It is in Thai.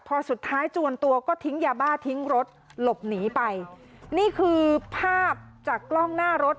พอสุดท้ายจวนตัวก็ทิ้งยาบ้าทิ้งรถหลบหนีไปนี่คือภาพจากกล้องหน้ารถ